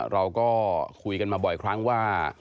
เราก็คุยกันมาบ่อยครั้งว่า